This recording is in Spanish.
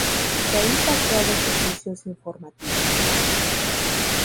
De ahí pasó a los servicios informativos.